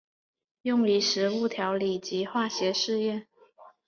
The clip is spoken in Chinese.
用于食物调理及化学实验。